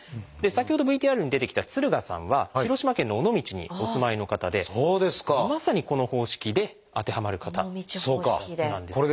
先ほどＶＴＲに出てきた敦賀さんは広島県の尾道にお住まいの方でまさにこの方式で当てはまる方なんです。